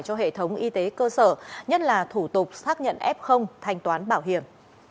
cho hệ thống y tế cơ sở nhất là thủ tục xác nhận f thanh toán bảo hiểm